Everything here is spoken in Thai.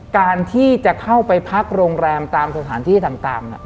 การที่จะเข้าไปพักโรงแรมตามสถานที่ต่าง